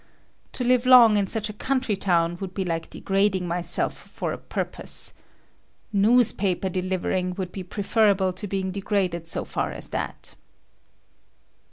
To live long in such a countrytown would be like degrading myself for a purpose. Newspaper delivering would be preferable to being degraded so far as that.